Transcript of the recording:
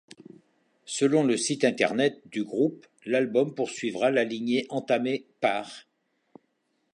Selon le site internet du groupe, l'album poursuivra la lignée entamée par '.